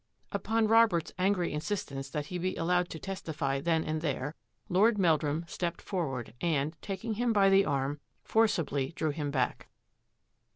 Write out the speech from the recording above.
Upon Robert's angry insistence that he be al lowed to testify then and there, Lord Meldrum stepped forward and, taking him by the arm, forci bly drew him back.